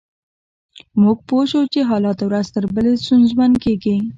موږ پوه شوو چې حالات ورځ تر بلې ستونزمن کیږي